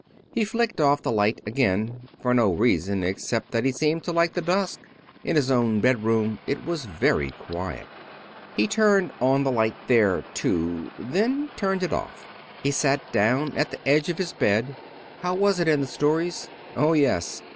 He flicked off the light again, for no reason except that he seemed to like the dusk. In his own bedroom it was very quiet. He turned on the light there, too, then turned it off. He sat down at the edge of his bed. How was it in the stories? Oh, yes!